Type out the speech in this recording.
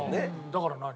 だから何？